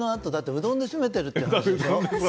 うどんで締めてるんでしょ。